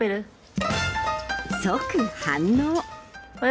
即反応。